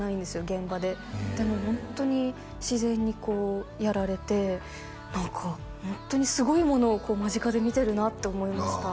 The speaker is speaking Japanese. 現場ででもホントに自然にこうやられて何かホントにすごいものを間近で見てるなって思いました